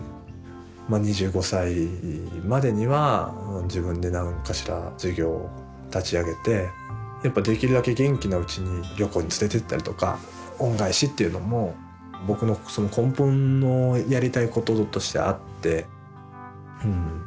まあ２５歳までには自分で何かしら事業を立ち上げてやっぱできるだけ元気なうちに旅行に連れてったりとか恩返しっていうのも僕の根本のやりたいこととしてあって。